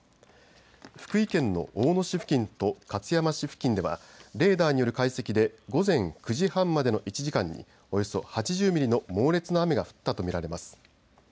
福井県の大野市付近と勝山市付近ではレーダーによる解析で午前９時半までの１時間におよそ８０ミリの猛烈な雨が降ったと見られます。